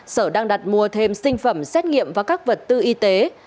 sở đang đặt mua thêm sinh phẩm xét nghiệm và các vật tư y tế